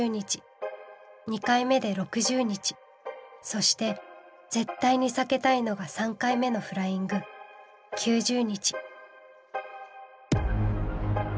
そして絶対に避けたいのが３回目のフライング９０日。